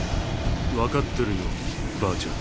分かってるよばあちゃん。